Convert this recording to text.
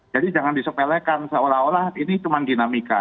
jadi jangan disepelekan seolah olah ini cuman dinamika